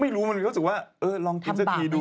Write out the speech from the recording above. ไม่รู้มันรู้สึกว่าเออลองกินสักทีดู